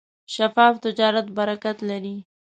شفاف تجارت برکت لري.